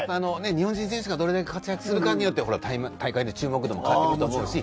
日本人選手がどれだけ活躍するかによって大会の注目度も変わってくると思うし。